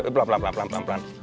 pelan pelan pelan